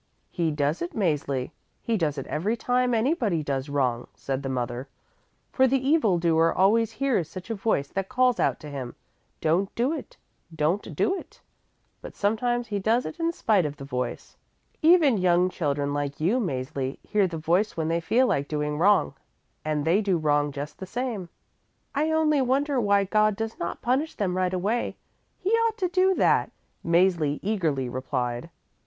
"He does it, Mäzli! He does it every time anybody does wrong," said the mother, "for the evil doer always hears such a voice that calls out to him: 'Don't do it, don't do it!' But sometimes he does it in spite of the voice. Even young children like you, Mäzli, hear the voice when they feel like doing wrong, and they do wrong just the same." "I only wonder why God does not punish them right away; He ought to do that," Mäzli eagerly replied.